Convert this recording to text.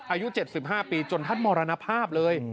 อายุ๗๕ปีจนท่านมรณภาพเลย